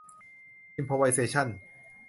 อิมโพรไวเซชั่น